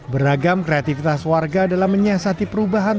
beragam kreativitas warga dalam menyiasati perubahan